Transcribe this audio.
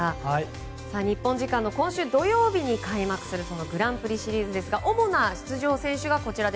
日本時間の今週土曜日に開幕するグランプリシリーズですが主な出場選手がこちら。